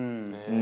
うん。